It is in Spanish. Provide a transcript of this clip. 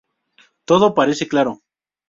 Todo parece claro.